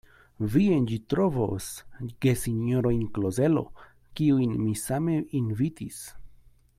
Vi en ĝi trovos gesinjorojn Klozelo, kiujn mi same invitis.